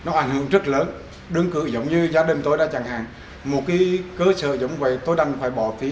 chẳng hạn một cái cơ sở giống vậy tôi đang phải bỏ phí